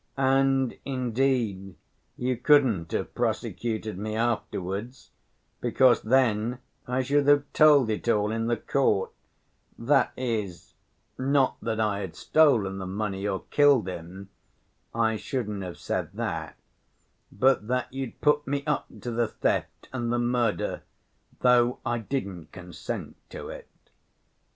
And, indeed, you couldn't have prosecuted me afterwards, because then I should have told it all in the court; that is, not that I had stolen the money or killed him—I shouldn't have said that—but that you'd put me up to the theft and the murder, though I didn't consent to it.